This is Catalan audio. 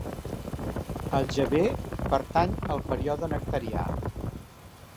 El Geber pertany al període nectarià.